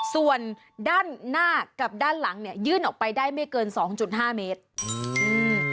ส่วนด้านหน้ากับด้านหลังเนี่ยยื่นออกไปได้ไม่เกินสองจุดห้าเมตรอืม